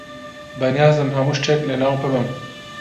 بەنیازم هەموو شتێک لەناو ببەم.